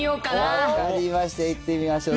分かりました、いってみましょう。